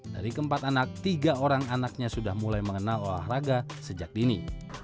dari keempat anak tiga orang anaknya sudah mulai mengenal olahraga sejak dini